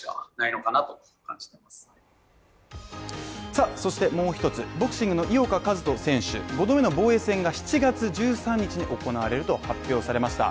さあ、そしてもう一つ、ボクシングの井岡一翔選手、５度目の防衛戦が７月１３日に行われると発表されました。